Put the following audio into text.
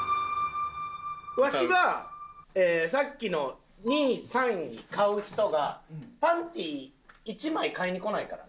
わしはさっきの２位３位買う人がパンティー１枚買いにこないからね。